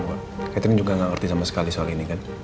catherine juga gak ngerti sama sekali soal ini kan